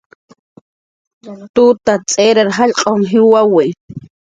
Tuta tz'irar jallq'un jiwawi